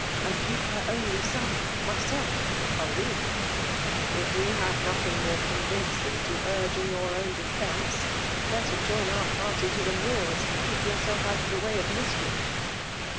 And keep her only son, myself, a Whig !"" If you h^ve nothing more convincing to urge in your own defence, better join our i3 178 FEMALE DOMINATION. party to tke Moots, and keep youiself out of the way of miscliief."